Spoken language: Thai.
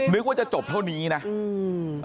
นึกว่าจะจบเท่านี้นะอืม